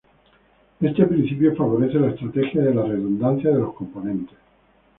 Este principio favorece la estrategia de la redundancia de los componentes.